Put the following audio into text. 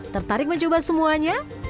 tertarik mencoba semuanya